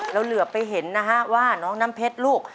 เหลือไปเห็นนะฮะว่าน้องน้ำเพชรลูก